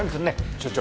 所長。